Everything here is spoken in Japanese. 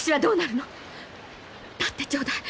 立ってちょうだい。